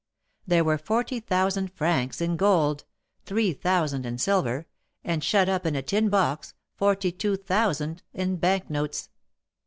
There were forty thousand francs in gold, three thousand in silver, and shut up in a tin box, forty two thousand in bank notes.